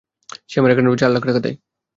সে আমার অ্যাকাউন্টে চার লাখ টাকা দেয়।